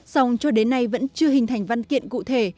song cho đến nay vẫn chưa hình thành văn kiện cụ thể